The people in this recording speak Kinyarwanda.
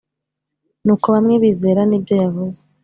Nuko bamwe bizera n’ibyo yavuze